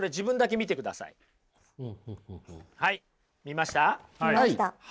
見ました。